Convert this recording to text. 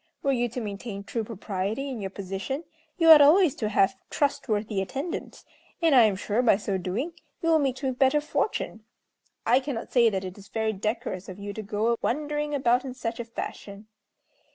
Were you to maintain true propriety in your position, you ought always to have trustworthy attendants; and I am sure, by so doing, you will meet with better fortune. I cannot say that it is very decorous of you to go wandering about in such a fashion.